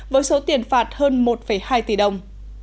với số tiền phạt hơn một hai tỷ đồng